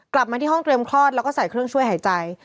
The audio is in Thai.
กลับมาที่ห้องเตรียมคลอดแล้วก็ใส่เครื่องช่วยหายใจ